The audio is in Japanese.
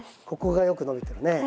ここがよく伸びてるね。